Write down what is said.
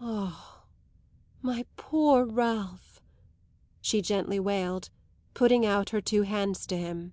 "Ah, my poor Ralph!" she gently wailed, putting out her two hands to him.